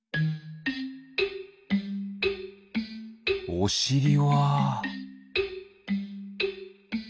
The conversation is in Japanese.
おしりは？